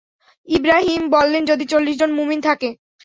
ইবরাহীম বললেন, যদি চল্লিশ জন মুমিন থাকে?